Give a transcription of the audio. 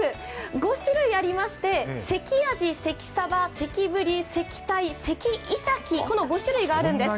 ５種類ありまして、関あじ、関さば、関ぶり、関たい、関いさき、この５種類あるんです。